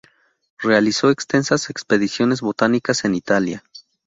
Realizó extensas expediciones botánicas en Italia.